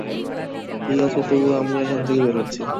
ঠিক আছে, তবুও আমরা এখান থেকে বের হচ্ছি।